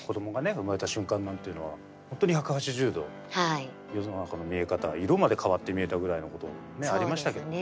産まれた瞬間なんていうのはほんとに１８０度世の中の見え方色まで変わって見えたぐらいのことありましたけどね。